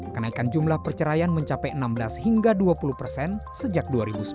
kenaikan jumlah perceraian mencapai enam belas hingga dua puluh persen sejak dua ribu sepuluh